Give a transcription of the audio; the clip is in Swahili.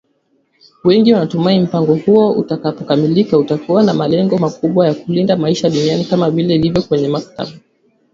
Wengi wanatumai mpango huo utakapokamilika, utakuwa na malengo makubwa ya kulinda maisha duniani kama vile ilivyo kwenye mkataba.